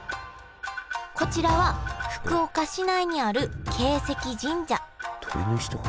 こちらは福岡市内にある鶏石神社。